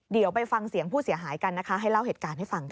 เดี๋ยวไปฟังเสียงผู้เสียหายกันนะคะให้เล่าเหตุการณ์ให้ฟังค่ะ